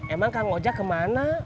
emang kang ojak kemana